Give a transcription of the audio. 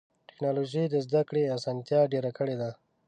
ټکنالوجي د زدهکړې اسانتیا ډېره کړې ده.